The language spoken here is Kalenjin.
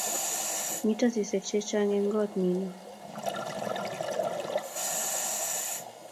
mito sisek chechang' eng' koot nino